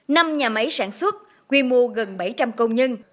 năm nhà máy sản xuất quy mô gần bảy trăm linh công nhân